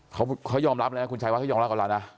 เขายอมรับนะคุณชายวัดเขายอมรับกับเรานะ